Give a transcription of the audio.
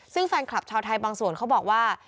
ซึ่งแฟนคลับชาวไทยบางส่วนเขาบอกว่า